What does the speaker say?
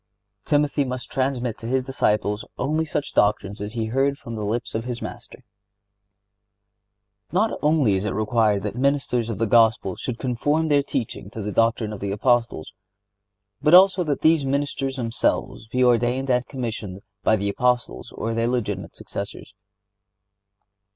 (72) Timothy must transmit to his disciples only such doctrines as he heard from the lips of his Master. Not only is it required that ministers of the Gospel should conform their teaching to the doctrine of the Apostles, but also that these ministers should be ordained and commissioned by the Apostles or their legitimate successors.